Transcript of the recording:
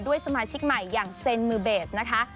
สมาชิกใหม่อย่างเซ็นมือเบสนะคะ